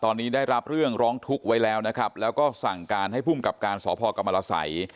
ตอนนี้ได้รับเรื่องร้องทุกข์ไว้แล้วนะครับแล้วก็สั่งการให้ภูมิกับการสพกรรมรสัย